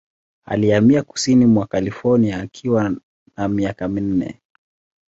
Alihamia kusini mwa California akiwa na miaka minne.